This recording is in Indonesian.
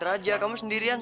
ini ibu rocking